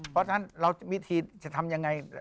เพราะฉะนั้นวิธีจะทำอย่างไร